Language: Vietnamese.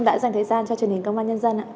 đã dành thời gian cho truyền hình công an nhân dân ạ